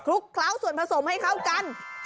ครบคราวส่วนผสมให้เข้ากัน